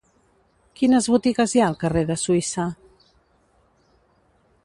Quines botigues hi ha al carrer de Suïssa?